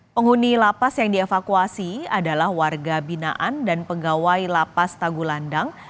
penghuni lapas yang dievakuasi adalah warga binaan dan pegawai lapas tagulandang